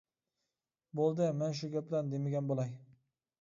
بولدى مەن شۇ گەپلەرنى دېمىگەن بولاي.